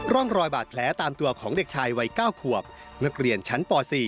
ร่องรอยบาดแผลตามตัวของเด็กชายวัย๙ขวบนักเรียนชั้นป๔